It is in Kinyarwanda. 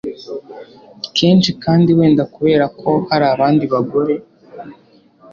kenshi, kandi wenda kubera ko hari abandi bagore